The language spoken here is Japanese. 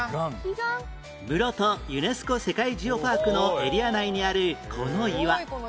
室戸ユネスコ世界ジオパークのエリア内にあるこの岩